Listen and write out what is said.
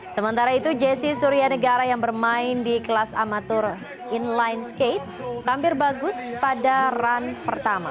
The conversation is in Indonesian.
sementara itu jesse suryanegara yang bermain di kelas amatur inline skate tampil bagus pada run pertama